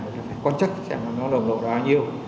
chúng ta phải quan trắc chẳng hạn nó đồng độ đó bao nhiêu